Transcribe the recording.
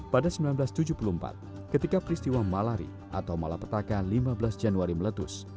pada seribu sembilan ratus tujuh puluh empat ketika peristiwa malari atau malapetaka lima belas januari meletus